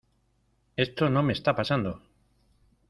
¡ Esto no me esta pasando!